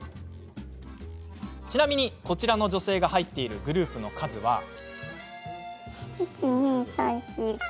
ちなみに、こちらの女性が入っているグループの数は。